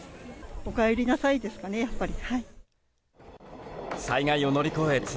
おかえりなさいですかね、やっぱり。